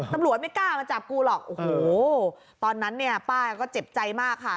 ตำรวจไม่กล้ามาจับกูหรอกโอ้โหตอนนั้นป้าก็เจ็บใจมากค่ะ